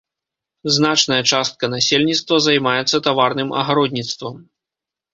Значная частка насельніцтва займаецца таварным агародніцтвам.